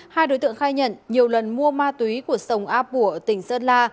hai đối tượng khai nhận nhiều lần mua ma túy của sông áp bùa tỉnh sơn la